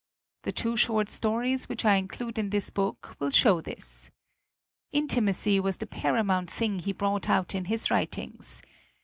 The two short stories XX INTRODUCTION which I include in this book will show this. Intimacy was the paramount thing he brought out in his writings.